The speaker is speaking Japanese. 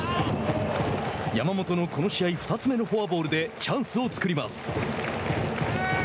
山本のこの試合２つ目のフォアボールでチャンスを作ります。